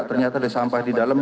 ternyata ada sampah di dalam